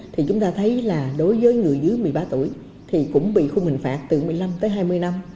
thì chúng ta thấy là đối với người dưới một mươi ba tuổi thì cũng bị khung hình phạt từ một mươi năm tới hai mươi năm